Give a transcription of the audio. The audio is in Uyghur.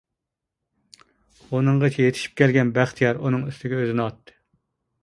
ئۇنىڭغىچە يېتىشىپ كەلگەن بەختىيار ئۇنىڭ ئۈستىگە ئۆزىنى ئاتتى.